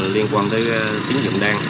liên quan tới tính dụng đen